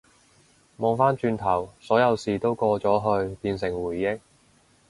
望返轉頭，所有事都過咗去變成回憶